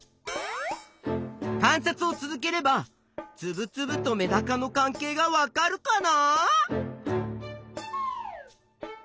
観察を続ければつぶつぶとメダカの関係がわかるかな？